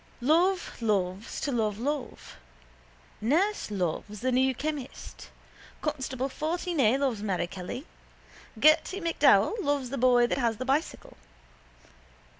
Love loves to love love. Nurse loves the new chemist. Constable 14A loves Mary Kelly. Gerty MacDowell loves the boy that has the bicycle.